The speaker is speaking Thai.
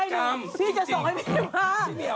พี่จะสอกให้จิงมา